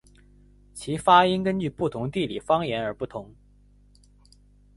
其发音根据不同地理方言而不同。